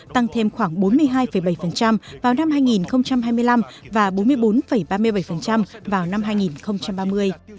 tăng thêm khoảng bốn mươi hai bảy vào năm hai nghìn hai mươi năm và bốn mươi bốn ba mươi bảy vào năm hai nghìn ba mươi